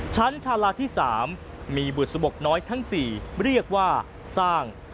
ชาลาที่๓มีบุษบกน้อยทั้ง๔เรียกว่าสร้าง